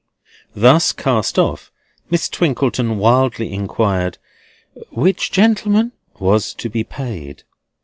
Thus cast off, Miss Twinkleton wildly inquired, "which gentleman" was to be paid?